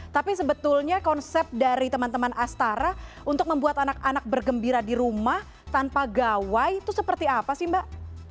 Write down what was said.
tapi sebetulnya konsep dari teman teman astara untuk membuat anak anak bergembira di rumah tanpa gawai itu seperti apa sih mbak